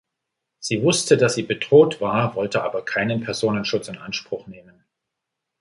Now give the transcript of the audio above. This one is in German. Sie wusste, dass sie bedroht war, wollte aber keinen Personenschutz in Anspruch nehmen.